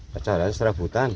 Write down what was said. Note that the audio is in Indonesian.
percaraan serah hutan